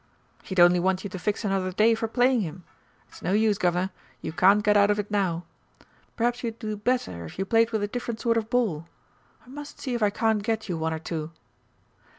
"He'd only want you to fix another day for playing him. It's no use, Guv'nor, you can't get out of it now. Perhaps you'd do better if you played with a different sort of ball. I must see if I can't get you one or two."